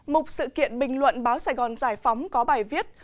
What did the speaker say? một sự kiện bình luận báo sài gòn giải phóng có bài viết